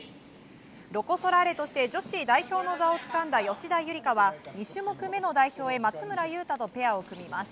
ロコ・ソラーレとして女子代表の座をつかんだ吉田夕梨花は、２種目めの代表へ松村雄太とペアを組みます。